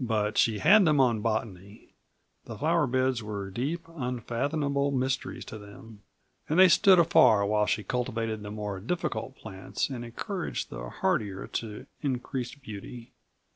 But she had them on botany. The flower beds were deep, unfathomable mysteries to them, and they stood afar while she cultivated the more difficult plants and encouraged the hardier to increased beauty.